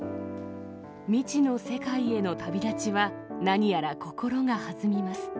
未知の世界への旅立ちは何やら心が弾みます。